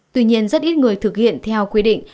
tuy nhiên rất ít người thực hiện theo quy định